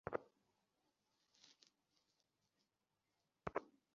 নতুবা একদিন আমাদের শেষ করবে মুহাম্মাদ।